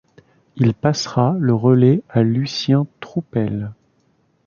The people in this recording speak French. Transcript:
Il passera le relais à Lucien Troupel.